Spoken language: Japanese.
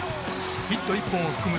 ヒット１本を含む